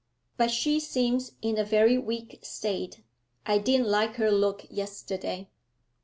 But she seems in a very weak state; I didn't like her look yesterday.'